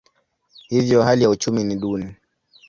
Hivyo hali ya uchumi ni duni.